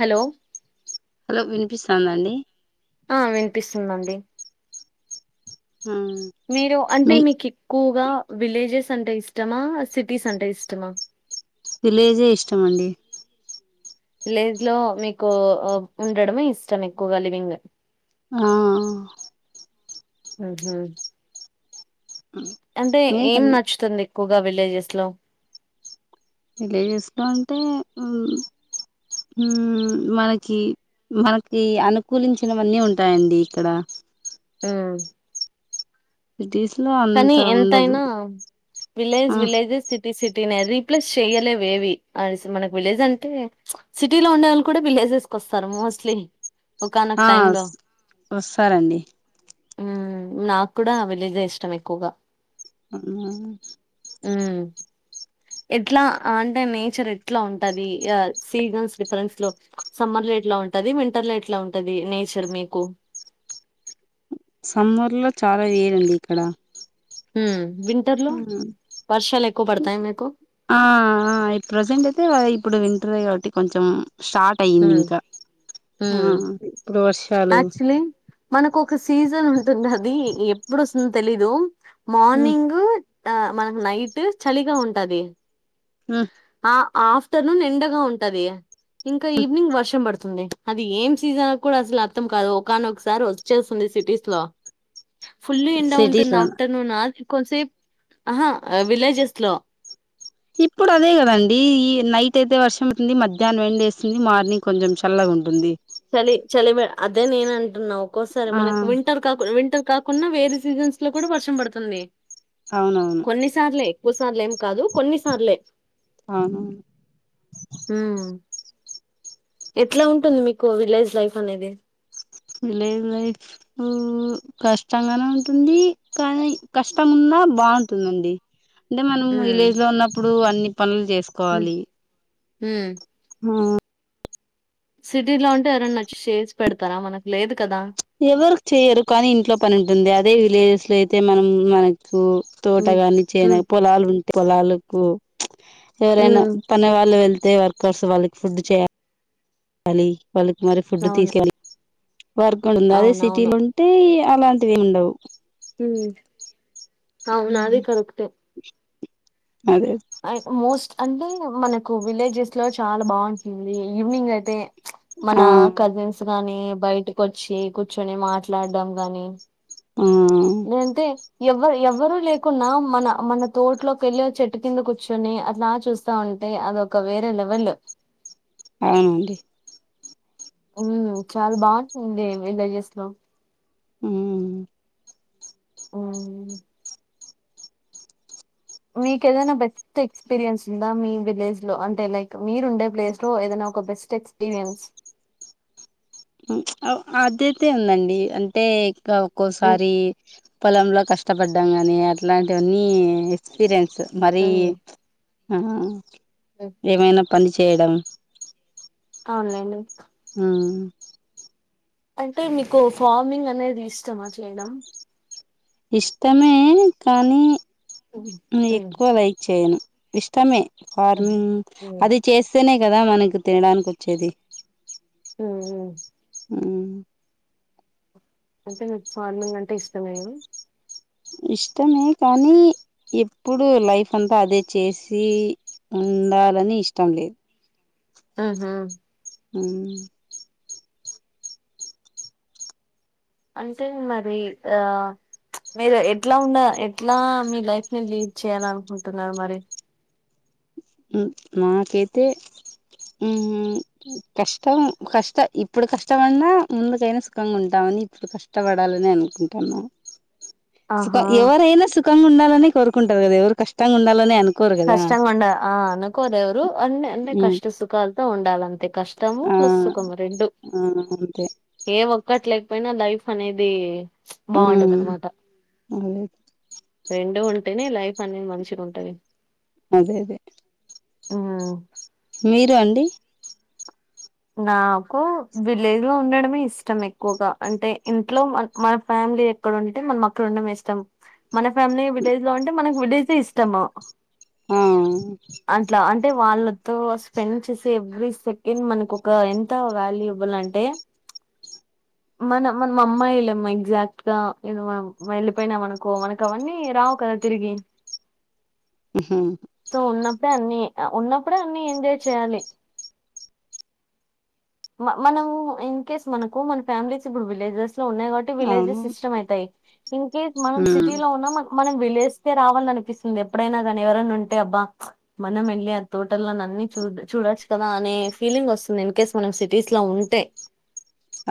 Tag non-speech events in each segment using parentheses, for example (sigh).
Hello hello వినిపిస్తంద అండి ఆ వినిపిస్తుందండి ఆ మీరు అంటే మీకు మీకేక్కువ్ గా విలేజెస్ అంటే ఇష్టమా సిటీస్ అంటే ఇష్టమా విలేజే ఇష్టమండి విలేజ్ లో మీకు ఉండడమే ఇష్టం ఎక్కువగా లివింగ్ ఆ ఉహు అంటే ఏం మీకన్ నచ్చుతుంది ఎక్కువగా విలేజెస్లో విలేజెస్ లో అంటే ఉమ్ మనకి మనకి అనుకూలించినవన్నీ ఉంటాయండి ఇక్కడ ఉమ్ ఇటీజ్ కానీ ఎంతయినా విలేజ్ ఆ విలేజెస్ సిటీ సి సిటీ నే రీప్లేస్ చెయలేేవి మన విలేజ్ అంటే సిటీలో ఉండేవాళ్ళు కూడా వీలేజెస్ వస్తరూ మోస్ట్లీ ఒకానొక ఆ టైమ్ లో స్ వస్తారండి ఉమ్ నాకు కూడా విలేజే ఇష్టం ఎక్కువగా అవునా ఉమ్ ఎట్లా అంటే నేచర్ ఎట్లా ఉంటది సీజన్స్ డిఫరెంట్స్ లో సమ్మర్లో ఎట్ ఎట్లా ఉంటది వింటర్ లో ఎట్లా ఉంటది నేచర్ మీకు సమ్మర్ లో చాలా వేరండి ఇక్కడ ఉమ్ వింటర్ లో వర్షాలు ఎక్కువ పడతాయి మీకు ఆ ఆ ప్రజెంట్ అయితే ఇప్పుడు కాట్టి కొంచ స్టర్ట్ అయింది హ్మ్ ఇంక హ్మ్ ఉమ్ యాక్చువలీ మనకు ఒక సీజన్ ఉంటుంది అది ఎప్పుడు వస్తుందో తెలీదు మార్నింగు ఆ మనకు నైట్ చలిగా ఉంటది ఆ ఆ ఆఫ్టర్నూన్ ఎండగా ఉంటది ఇంక ఈవినింగ్ వర్షం పడుతుం అది ఏం సీజన్ కూడా అసలు అర్థం కాదు ఒకనోకసారి వచ్చేస్తుంది సిటీస్ లో ఫుల్ ఎండడా సిటీస్ ఉంటుంది లో ఆఫ్టర్నూన్ అది కొసేపు ఆహా విలేజెస్ లో ఇప్పుడు అదే కదండి ఈ నైట్ అయితే వర్షం అతుంది మధ్యాహ్నం వెం వేస్తుంది మార్నింగ్ కొంచెం చల్ల ఉంటుంది చలి చలి అదే నేను అంటున్నా ఒక్కోసారి ఆ మనకు వింటర్ కాకుండా వింటర్ కాకుండా వేరే సీజన్స్ లో కూడా వర్షం పడుతుంది అవునవును కొన్నిసార్లే ఎక్కువ సార్లు ఏం కాదు కొన్నిసార్లే ఆ ఎట్లా ఉంటుంది మీకు విలేజ్ లైఫ్ అనేది విలేజ్ లైఫ్ కష్టంగానే ఉంటుంది కానీ కష్టం ఉన్న ఆ బాగుంటుందండి అంటే మనం ఉమ్ విలేజ్ లో ఉన్నప్పుడు అన్ని పనులు చేసుకోవాలి ఊ ఆ సిటీ లో ఉంటే ఎవరైనా వచ్చి చేసి పెడతారా మనకు లేదు కదా ఎవరు చెయరు కానీ ఇంట్లో పని ఉంటుంది అదే విలేజెస్ లో అయితే మనం మన తు ఉమ్ తోటగాని చేన ఉమ్ పొలాలు ఉంటె పొలాలకు ఎవరైనా ఉమ్ పనే వాళ్ళు వెళ్తే వర్కర్స్ వాళ్ళకి ఫుడ్ చేయాలి లి వాళ్ళకి మరి ఫుడ్ అవును తీసుకెళలి వర్క్ ఉంది అదే అవునవును సిటీలో ఉంటే అలాంటివి ఉండవు ఊ అవునది కరక్టె అదే మోస్ట్ అంటే మనకు విలేజెస్ లో చాలా బాగుంటుంది ఈవినింగ్ అయితే మన ఆ కజిన్స్ గానీ బయటకుచ్చి కూర్చుని మాట్లాడడాం గాని ఆ నేంటి ఎవరు ఎవరుూ లేకున్నా మన మన తోటలోకి వెళ్ళి చెట్టు కింద కూర్చొని అట్లా చూస్తా ఉండి టె అదొ ఒక వేరలేవెల్ అవునండి ఉ చాలా బాగుంటుంది విలజస్ లో ఊ అవును మీకు ఏదైనా బెస్ట్ ఎక్స్పీరియన్స్ ఉందా మీ విలేజ్ లో అంటే లైక్ మీరు ఉండే ప్లేస్ లో ఏదైనా ఒక బెస్ట్ ఎక్స్పీరియన్స్ ఉ ప్చ్ ఆ అదయితే ఉందండి అంటే ఇకా ఉమ్ ఒక్కోసారి పొలంలో కష్టపడ్డాం కానీ అట్లాంటివన్నీ ఎక్స్పీరియన్స్ మరి ఉమ్ ఆ ఉమ్. ఏమైనా పని చేయడం ఆవును లెండి ఊ అంటే మీకు ఫార్మింగ్ అనేది ఇష్టమా చేయడం ఇష్టమే కానీ ఉమ్, నేను ఉమ్, ఎక్కువ లైక్ చేయను ఇష్టమే ఉమ్, ఫార్మింగ్ ఉమ్, అది చేస్తేనే కదా మనకి తినడానికి వచ్చేది ఊ ఉ ఊ అంటే మీకు ఫార్మింగ్ అంటే ఇష్టం ఏ గా ఇష్టమే కానీ ఎప్పుడు లైఫ్ అంతా అదే చేసి ఉండాలని ఇష్టం లేదు ఆహా ఉమ్ అంటే మరి ఆ మీరు ఎట్లా ఉండ ఎట్లా మీ లైఫ్ ని లీడ్ చేయాలి అనుకుంటున్నారు మరి ఉమ్ నాకైతే ఉమ్ కష్టం కష్ట ఇప్పుడు కష్టం అన్నా ముందుకైనా సుఖంగా ఉంటాం కాని ఇప్పుడు కష్టపడాలనే అనుకుంటున్నా (inaudible) సుఖం ఆహా ఎవరైనా సుఖంగా ఉండాలని కోరుకుంటారు గదా ఎవరు కష్టంగా ఉండాలని అనుకు కష్టం గుండ ఆ అనుకోరెవరు అన్నే అంటే ఉమ్, కష్ట సుఖాలతో ఉండాలంతే కష్టము ప్లస్ సుఖము రెండు ఆమ్ ఏ ఒక్కట్లేకపోయినా లైఫ్ అనేది బాగుండదు ఉమ్, అన్నమాట అదే రెండు ఉంటేనే లైఫ్ అనేది మంచిగా ఉంటది అదే అదే మీరు అండి నాకు విలేజ్ లో ఉండడమే ఇష్టం ఎక్కువగా అంటే ఇంట్లో మన ఫ్యా మిలీ ఎక్కడ ఉంటే మనం అక్కడ ఉండం ఇష్టం మన ఫ్యామిలీ విలేజ్ లో ఉంటే మనకి విలేజే ఇష్టము ఆ అట్లా అంటే వాళ్ళతో స్పెండ్ చేసే ఎవ్రీ సెకండ్ మనకు ఒక్క ఎంత వాల్యూబుల్ అంటే మనం మన అమ్మాయిలమ్ ఎగ్జాక్ట్ గా ఏ మ యెళ్ళిలిపోయినా మనుకో మనకు అవన్నీ రావు కదా తిరిగి ఉహూ దాన్ని ఆ ఉన్నప్పుడే అన్ని ఎంజాయ్ చేయాలి మనం ఇన్ కేస్ మనకు మన ఫ్యామిలీస్ ఇప్పుడు విలేజెస్ ఉన్నాయి కాబట్టి విలేజెస్ అవును సిస్టమ్ అయితాయి ఇన్ కేస్ మనం ఉమ్, సిటీలో ఉన్న మనం విలేజ్కే రావాలని అనిపిస్తుంది ఎప్పుడైనా గానీ ఎవరైనా ఉంటే అబ్బా మనం యెళ్ళి ఆ తోటలో చూడొచ్చు కదా అనే ఫీలింగ్ వస్తుంది ఇన్ కేస్ మనం సిటీస్ లో ఉంటే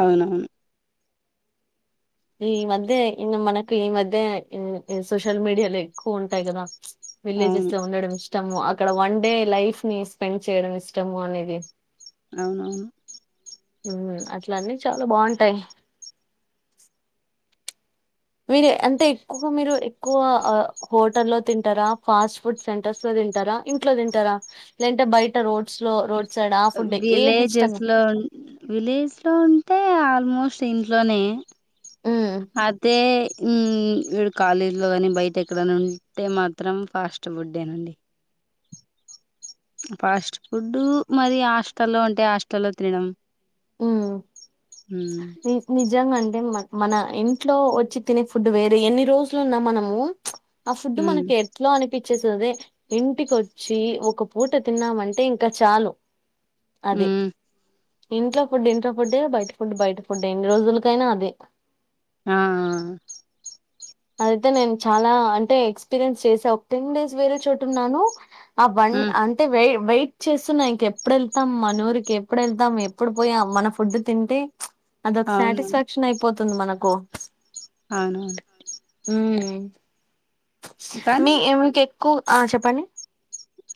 అవునవును ఈ మధ్య ఇంగ మనకు ఈ మధ్య సోషల్ మీడియాలో ఎక్కువ ఉంటాయి గదా అవును విలేజెస్లో ఉండడం ఇష్ ఇష్టము అక్కడ వన్ డే లైఫ్ ని స్పెండ్ చేయడం ఇష్టము అనేది అవునవును ఉమ్ అట్ల అన్నీ చాలా బాగుంటాయి మీరు అంటే ఎక్కువగా మీరు ఎక్కువ హోటల్ లో తింటారా ఫాస్ట్ ఫుడ్ సెంటర్స్ లో తింటారా ఇంట్లో తింటారా లేదంటే బయట రోడ్ రోడ్స్‌లో సైడ్ ఆ ఫుడ్ ఏది ఇష్టం? విలేజెస్ లో విలేజ్ లో ఉంటే ఆల్ మోస్ట్ ఇంట్లోనే హ్మ్. అదే ఉమ్ వీడు కాలేజీలో గానీ బయట ఎక్కడన్నా ఉంటే మాత్రం ఫాస్ట్ ఫుడేనేనండి ఫాస్ట్ ఫుడ్ మరి హాస్టల్లో ఉంటే హాస్టల్లో తినడం ఉమ్ ఉమ్ నిజంగా అండి అదే మ మన ఇంట్లో వచ్చి తినే ఫుడ్ వేరే ఎన్ని రోజులున్నా మనము ఆ ఫుడ్ ఉమ్ మనకి ఎట్లా అనిపించేస్తది ఇంటికొచ్చి ఒక పూట తిన్నామంటే ఇంకా చాలు అది. ఉమ్ ఇంట్లో ఫుడ్ ఇంట్లో ఫుడ్డే బయట ఫుడ్ బయట ఫుడ్డే ఎన్ని రోజులకైనా అదే ఆ అదయితే నేను చాలా అంటే ఎక్స్పీరియన్స్ చేసా ఒక టెన్ డేస్ వేరే చోటున్నాను ఆ బన్ ఉమ్ అంటే వేయ్ వెయిట్ చేస్తున్న ఇంక ఎప్పుడు ఎళ్తాం మనూరికి ఎప్పుడెళ్తాం ఎప్పుడు పోయా మన ఫుడ్ తింటే అదొక అవునవును సాటిస్ఫాక్షన్ అయిపోతుంది మనకు అవునవును కానీ మీ ఉ మీకెక్కువ ఆ చెప్పండి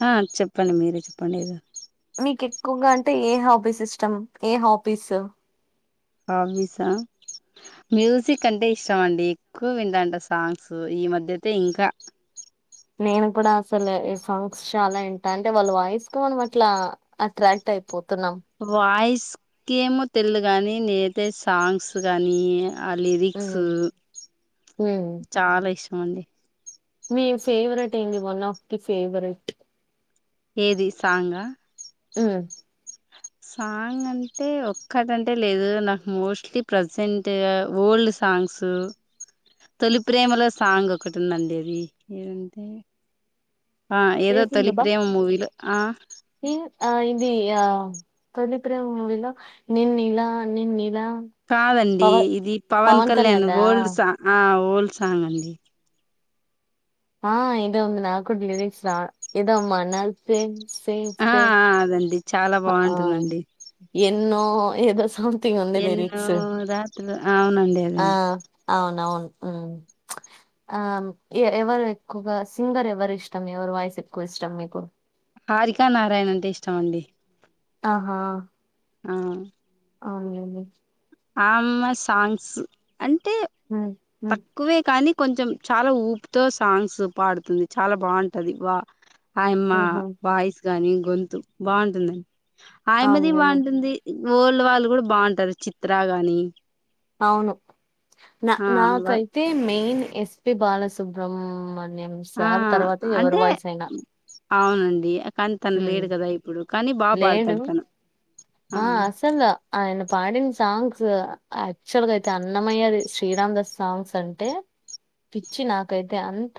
ఆ చెప్పండి మీరే చెప్పండి ఏదో మీకెక్కువగా అంటే ఏ హాబీస్ ఇష్టం ఏ హాబీస్ హాబీసా మ్యూజిక్ అంటే ఇష్టం అండి ఎక్కువ వింటాంట సాంగ్స్ ఈ మధ్యయితే ఇంకా నేను కూడ అసలు సాంగ్స్ చాలా ఇంట అంటే వాళ్ళ వాయిస్ కు మనం అట్లా అట్రాక్ట్ అయి వాయిస్ కేమో తెల్దు గాని నేనైతే సాంగ్స్ గానీ ఆ లిరిక్స్ హ్మ్. హ్మ్. చాలా ఇష్టం అండి మీ ఫెవరెట్ ఏంది వన్ ఆఫ్ ది ఫెవరెట్ ఏది సాంగా ఉమ్ సాంగ్ అంటే ఒక్కటంటే లేదు నాకు మోస్ట్లీ ప్రసెంట్ ఓల్డ్ సాం సాంగ్స్ తొలి ప్రేమలో సాంగ్ ఒకటి ఉందండి అదీ ఏదంటే ఆ ఏదో తొలి చేసిందబ్బా ప్రేమ మూవీలో ఆ నేను ఆ ఇది ఆ తొలి ప్రేమ మూవి లో నిన్నిలా నిన్నిలా కాదండి పవ ఇది పవన్ కళ్యాణ్ ఓల్డ్ సా ఆ ఓల్డ్ సాంగ్ అండి ఆ ఏదో ఉంది నాగ్గుడ లిరిక్స్ రా ఏదో మనస్సే స్సే ఆ స్సే ఆ అదండి చాలా ఆ బాగుంటుందండి ఎన్నో ఏదో సాంగ్ థింగ్ ఉంది ఎన్నో లిరిక్స్ రాత్రులు అవునండి ఆ అదండి అవునవును ఉమ్ ఆ ఎ ఎవరు ఎక్కువగా సింగర్ ఎవరు ఇష్టం ఎవరు వాయిస్ ఎక్కువ ఇష్టం మీకు హరికా నారాయణ అంటే ఇష్టం అండి ఆహా ఆ అవునండి ఆమ్మ సాంగ్స్ అంటే ఉమ్ ఉమ్ తక్కువే కానీ కొంచెం చాలా ఊపుతో సాంగ్స్ పాడుతుంది చాలా బావుంటది వా ఆయమ్మ ఉహు వాయిస్ గాని గొంతు బావుంటుందండి ఆయమ్మది అవునులేండి బావుంటుంది ఓల్డ్ వాళ్ళు గుడ బావుంటరు చిత్రా గాని అవును నా ఆ వా నాకైతే main S P Bala Subrahmanyam ఆ సార్ తర్వాత ఎవరి అంటే వాయిస్ అయినా కనీ తను హ్మ్ లేడు గదా ఇప్పుడు కనీ బా లేడు పాడుతడు తను ఆ అస్సల్ ఆయన పాడిన సాంగ్ క్స్ యాక్చువల్ గ అయితే అన్నమయ్యది శ్రీరామ దాస్ సాంగ్స్ అంటే పిచ్చి నాకైతే అంత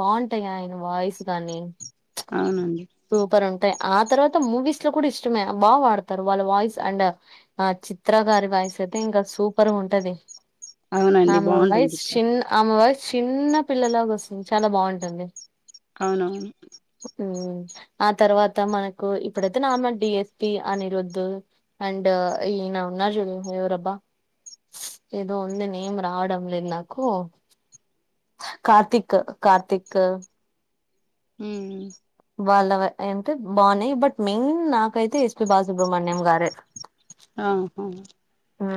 బావుంటయి ఆయన వాయిస్ గాని అవునండి సూపర్ ఉంటాయి ఆ తర్వాత మూవీస్ లో కూడా ఇష్టమే బాగా వాడతారు వాళ్ళ వాయిస్ అండ్ ఆ చిత్రకారి వాయిస్ తే ఇంకా సూపర్ ఉంటది అవునండి ఆమె బాగుంటుంది వయసు చిత్ర చిన్న ఆమె వయసు చిన్న పిల్లలాగ వస్తుంది చాలా బాగుంటుంది అవునవును మ్మ్ ఆ తర్వాత మనకు ఇప్పుడైతే నార్మల్ డిఎస్పి అనిరుద్దు అండ్ అన ఉన్నా జుడ యవరబ్బా ఏదో ఉంది నేమ్ రావడం లేదు నాకు కార్తీక్ కార్తీక్ ఊ వాళ్ళ అంటే బాగున్నాయి బట్ మెయిన్ నాకైతే ఎస్పి బాలసుబ్రహమణ్యం గారే ఆహా ఆ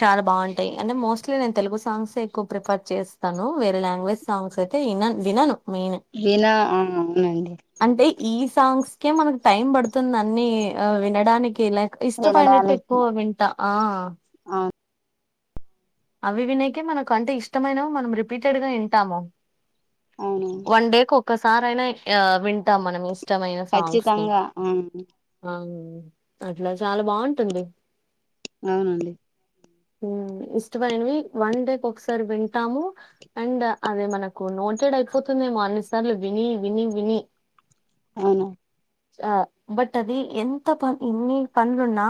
చాలా బాగుంటాయి అంటే మోస్ట్లీ నేను తెలుగు సాంగ్స్ ఏ ఎక్కువ ప్రిఫర్ చేస్తాను వేరే లాంగ్వేజ్ సాంగ్స్ అయితే ఇన వినను మెయిన్ వినా ఆ అవునండి అంటే ఈ సాంగ్స్కే మనకు టైం పడుతుంది అన్ని ఆ వినడానికి హీలక్ ఇష్ట పడినట్టు ఎక్కువ వింటా ఆ ఆవును అవి వినకే మనకు అంటే ఇష్టమైన మనం రిపీటెడ్ గా వింటాము అవునవును ఒకసారి అయినా వింటాం మనం ఇష్టమైన సాంగ్స్ ని ఖచ్చితంగా అవును అట్లా చాలా బాగుంటుంది అవునండి ఊ ఇష్టమైనవి వన్ డే ఒకసారి వింటాము అండ్ అది మనకు నోటెడ్ అయిపో ఐపోతుందేమో అన్నిసార్లు విని విని విని అవునా ఆ బట్ అది ఎంత ప ఎన్ని పనులున్నా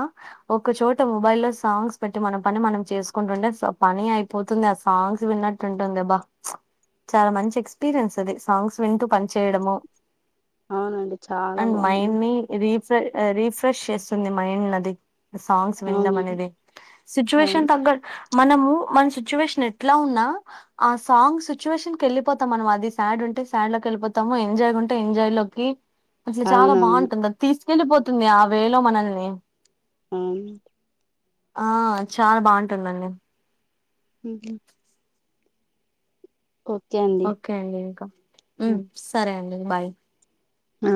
ఒక చోట మొబైల్ లో సౌండ్ పెట్టి మన పని మనం చేసుకుంటుండే పని అయిపోతుంది ఆ సాంగ్స్ విన్నట్టు ఉంటుంది అబ్బా చాలా మంచి ఎక్స్పీరియన్స్ అది సాంగ్స్ వింటూ పని చేేయడము అవునండి అ చాలా మైన్ బాగుంది ని రి రిఫ్రెష్ చేస్తుంది మైండ్ నది సాంగ్స్ విండం అవునండి అనేది సిచ్యుయేషన్ అవును తగ్గట్ మనము మన సిచ్యువేషన్ ఎట్లా ఉన్నా ఆ సాంగ్ సిచ్యువేషన్ కి వెళ్ళిపో మనం అది సాడ్ ఉంటే సాడ్ లోకి వెళిపోతాము ఎంజాయ్ ఉంటే ఎంజాయ్ లోకి అసలు చాలా అవునవును బాగుంటుంది అది తీసుకెళ్ళలిపోతుంది ఆ వేలో మనల్ని ఆ ఆ చాలా బాగుంటుందండి ఉహు అండి ఓకే అండి ఇంకా ఉ సరే అండి బాయ్ ఆ